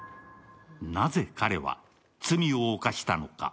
なぜ彼は罪を犯したのか？